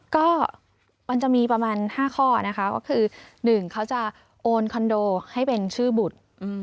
ก็มันจะมีประมาณ๕ข้อนะคะก็คือ๑เขาจะโอนคอนโดให้เป็นชื่อบุตร